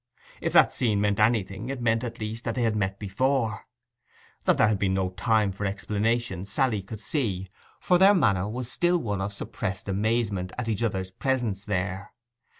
If that scene meant anything, it meant, at least, that they had met before. That there had been no time for explanations Sally could see, for their manner was still one of suppressed amazement at each other's presence there.